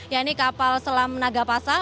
ya ini kemudian ini juga berlaku di pt pal ini sendiri